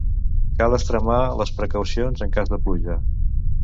Cal extremar les precaucions en cas de pluja.